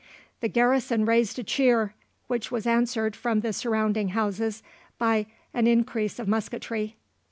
The garrison raised a cheer, which was answered from the surrounding houses by an increase of musketry.